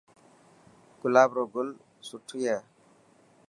گلاب روگل سني هي.